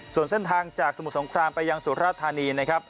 ส่วนเส้นทางจากสมุทรสงครามไปยังสุราธานีนะครับ